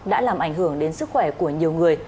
đã làm ảnh hưởng đến sức khỏe của nhiều người